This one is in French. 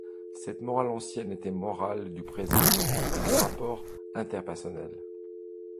Cette morale ancienne était morale du présent et du rapport interpersonnel.